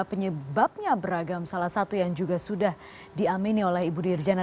penyebabnya beragam salah satu yang juga sudah diamini oleh ibu dirjana